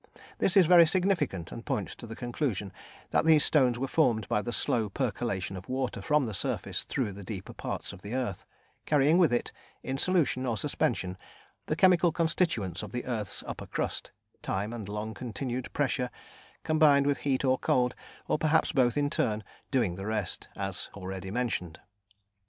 This is very significant, and points to the conclusion that these stones were formed by the slow percolation of water from the surface through the deeper parts of the earth, carrying with it, in solution or suspension, the chemical constituents of the earth's upper crust; time and long continued pressure, combined with heat or cold, or perhaps both in turn, doing the rest, as already mentioned.